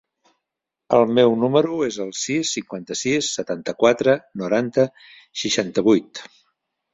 El meu número es el sis, cinquanta-sis, setanta-quatre, noranta, seixanta-vuit.